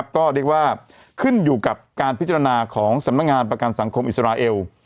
ก็เรียกว่าขึ้นอยู่กับการพิจารณาของสำนักงานประกันสังคมอิสราเอล